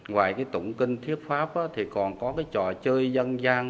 ngoài cái tổng kinh thiết pháp thì còn có cái trò chơi dân gian